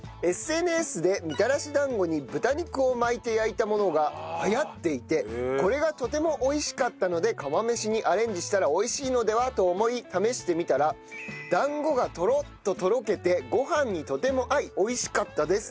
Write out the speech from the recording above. ＳＮＳでみたらし団子に豚肉を巻いて焼いたものが流行っていてこれがとても美味しかったので釜飯にアレンジしたら美味しいのではと思い試してみたら団子がトロッととろけてご飯にとても合い美味しかったです。